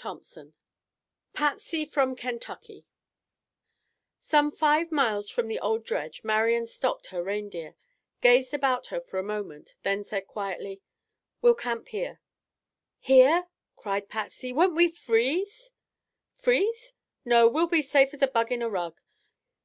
CHAPTER II PATSY FROM KENTUCKY Some five miles from the old dredge Marian stopped her reindeer, gazed about her for a moment, then said quietly: "We'll camp here." "Here?" cried Patsy. "Won't we freeze?" "Freeze? No, we'll be safe as a bug in a rug.